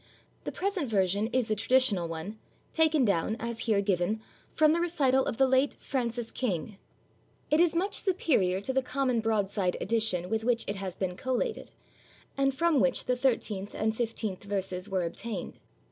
The present version is a traditional one, taken down, as here given, from the recital of the late Francis King. {72b} It is much superior to the common broadside edition with which it has been collated, and from which the thirteenth and fifteenth verses were obtained.